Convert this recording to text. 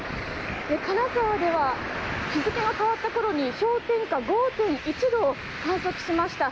金沢では日付が変わった頃に氷点下５．１度を観測しました。